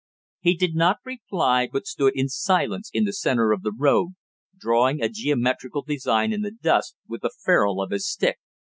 He did not reply, but stood in silence in the centre of the road, drawing a geometrical design in the dust with the ferrule of his stick.